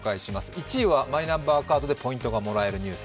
１位はマイナンバーカードでポイントがもらえるニュース。